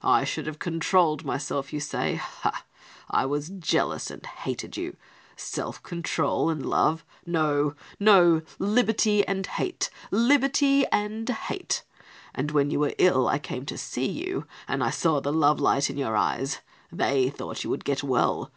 'I should have controlled myself,' you say; ha! I was jealous and I hated you. Self control and love; no, no, liberty and hate, liberty and hate; and when you were ill I came to see you and I saw the love light in your eyes. They thought you would get well.